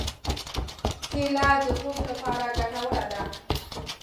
کېله د خوب لپاره ګټوره ده.